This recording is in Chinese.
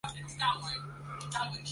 从来都不是停止练习的借口